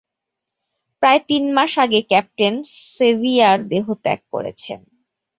প্রায় তিন মাস আগে ক্যাপ্টেন সেভিয়ার দেহত্যাগ করেছেন।